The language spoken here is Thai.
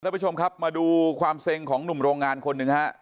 ผู้ชมครับมาดูความเซ็งของหนุ่มโรงงานคนหนึ่งฮะ